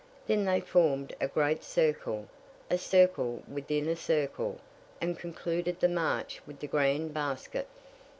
Then they formed a great circle, a circle within a circle, and concluded the march with the "grand basket."